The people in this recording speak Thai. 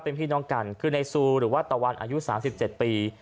เป็นพี่น้องกันคือในซูหรือว่าตะวันอายุสามสิบเจ็ดปี